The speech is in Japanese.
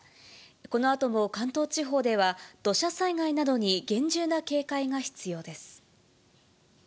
このあとも関東地方では、土砂災害などに厳重な警戒が必要です。